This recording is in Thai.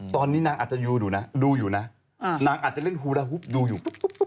ตอนนี้นางอาจจะดูอยู่นะดูอยู่นะนางอาจจะเล่นฮูราฮุบดูอยู่